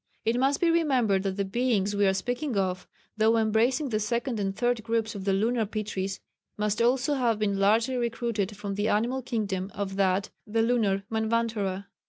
It must be remembered that the beings we are speaking of, though embracing the second and third groups of the Lunar Pitris, must also have been largely recruited from the animal kingdom of that (the Lunar) Manvantara.